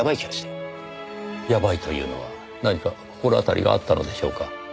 やばいというのは何か心当たりがあったのでしょうか？